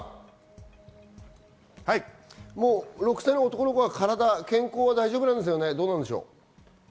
阿部さん、６歳の男の子は体、健康などは大丈夫なんですよね。